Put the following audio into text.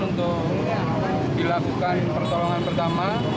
untuk dilakukan pertolongan pertama